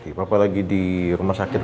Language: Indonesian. iya singkir yang dua itu